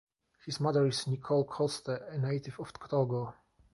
His mother is Nicole Coste, a native of Togo.